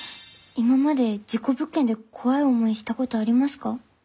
今まで事故物件で怖い思いしたことありますか？